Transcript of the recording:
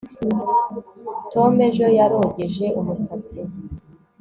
Tom ejo yarogeje umusatsi